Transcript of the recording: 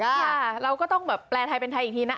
ค่ะเราก็ต้องแบบแปลไทยเป็นไทยอีกทีนะ